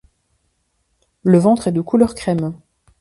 Le ventre est de couleur crème.